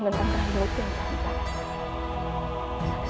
tentang raimu kian santang